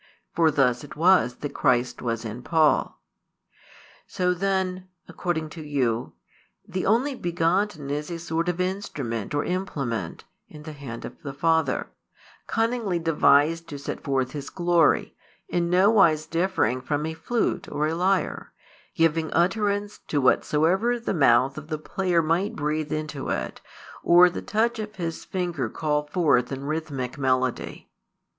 For thus it was that Christ was in Paul. So then, [according to you,] the Only begotten is a sort of instrument or implement [in the hand of the Father], cunningly devised to set forth His glory, in no wise differing from a flute or a lyre, giving utterance to whatsoever the mouth of the player might breathe into it or the touch of his finger call forth in rhythmic melody.